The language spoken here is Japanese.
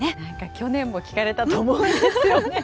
去年も聞かれたと思うんですよね。